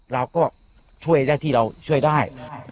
เราก็ช่วยได้ที่เราช่วยได้